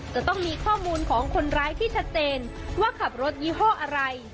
จะต้องมีข้อมูลของคนร้ายที่ชัดเจนว่าขับรถยี่ห้ออะไร